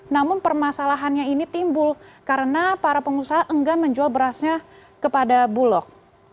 namun permasalahannya ini timbul karena para pengusaha enggan menjual berasnya kepada bulog